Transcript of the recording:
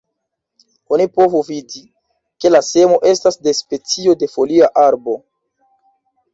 Oni povu vidi, ke la semo estas de specio de folia arbo.